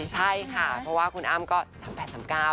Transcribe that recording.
ใช่ค่ะเพราะว่าคุณอ้ำก็๓๘๓๙